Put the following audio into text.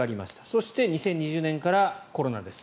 そして２０２０年からコロナです。